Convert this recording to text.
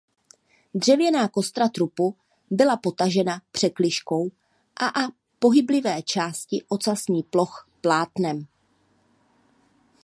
Dřevěná kostra trupu byla potažena překližkou a a pohyblivé části ocasní ploch plátnem.